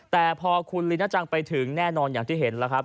แต่พอคุณลีน่าจังไปถึงแน่นอนอย่างที่เห็นแล้วครับ